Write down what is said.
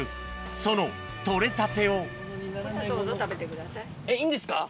その取れたてをえっいいんですか？